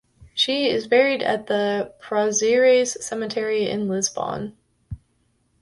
She is buried at the Prazeres Cemetery in Lisbon.